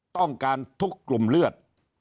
ต้องการทุกกลุ่มเลือด